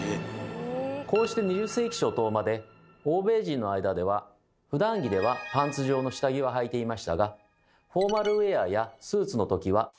こうして２０世紀初頭まで欧米人の間ではふだん着ではパンツ状の下着ははいていましたがフォーマルウエアやスーツのときは。